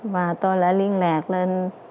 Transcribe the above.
và tôi lại liên lạc lên